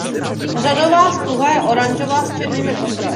Řádová stuha je oranžová s černými okraji.